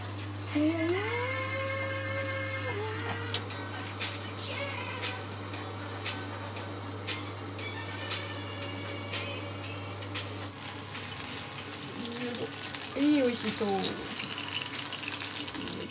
はいおいしそう。